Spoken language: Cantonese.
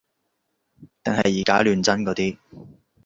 定係以假亂真嗰啲